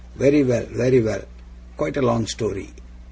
'Very well: very well! Quite a long story.